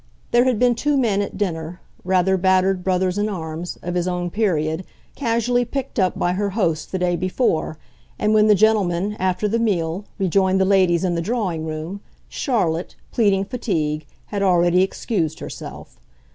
There had been two men at dinner, rather battered brothers in arms, of his own period, casually picked up by her host the day before, and when the gentlemen, after the meal, rejoined the ladies in the drawing room, Charlotte, pleading fatigue, had already excused herself.